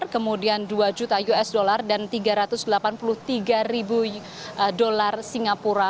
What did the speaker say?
kemudian dua juta usd dan tiga ratus delapan puluh tiga ribu usd singapura